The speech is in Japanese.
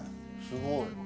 すごい。